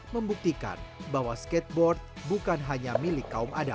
membuktikan bahwa skateboard bukan hanya milik kaum adat